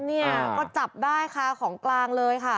เนี่ยก็จับได้ค่ะของกลางเลยค่ะ